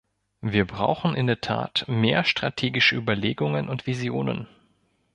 Wir brauchen in der Tat mehr strategische Überlegungen und Visionen.